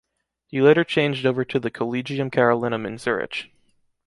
He later changed over to the Collegium Carolinum in Zurich.